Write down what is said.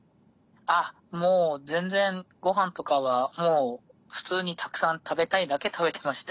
あっもう全然ごはんとかはもう普通にたくさん食べたいだけ食べてました。